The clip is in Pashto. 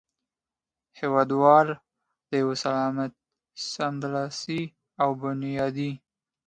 هېوادوال د یوه سملاسي او بنیادي